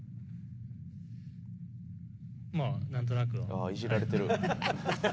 ああイジられてる。